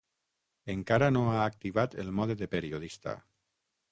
Encara no ha activat el mode de periodista.